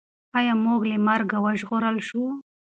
ایا موږ له مرګه وژغورل شوو؟